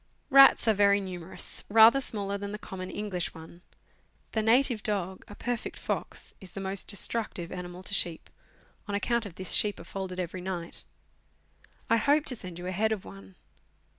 Rats are very numerous, rather smaller than the common English one. The native dog, a perfect fox, is the most destructive animal to sheep on account of this, sheep are folded every night. I hope to send you a head of one.